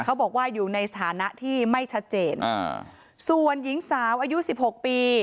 เขาบอกว่าอยู่ในสถานะที่ไม่ชัดเจนอ่าส่วนหญิงสาวอายุสิบหกปี